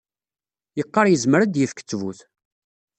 Yeqqar yezmer ad d-yefk ttbut.